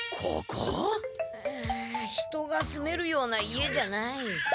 あ人が住めるような家じゃない。